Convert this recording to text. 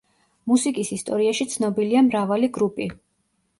მუსიკის ისტორიაში ცნობილია მრავალი გრუპი.